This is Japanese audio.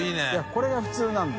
これが普通なんだ。